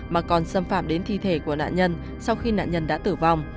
mà còn xâm phạm đến thi thể của nạn nhân sau khi nạn nhân đã tử vong